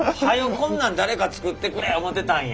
こんなん誰か作ってくれ思ってたんや。